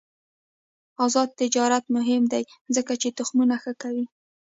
آزاد تجارت مهم دی ځکه چې تخمونه ښه کوي.